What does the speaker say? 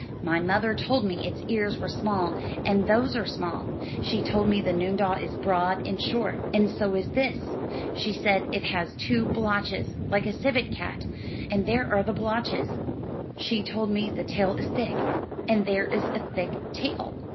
My mother told me its ears were small, and those are small; she told me the noondah is broad and short, and so is this; she said it has two blotches, like a civet cat, and there are the blotches; she told me the tail is thick, and there is a thick tail.